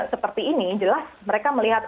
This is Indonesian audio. seperti ini jelas mereka melihat